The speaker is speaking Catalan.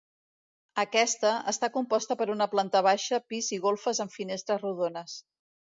Aquesta, està composta per una planta baixa, pis i golfes amb finestres rodones.